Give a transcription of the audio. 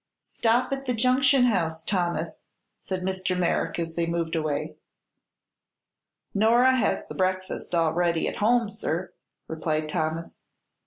"Stop at the Junction House, Thomas," said Mr. Merrick as they moved away. "Nora has the breakfast all ready at home, sir," replied Thomas.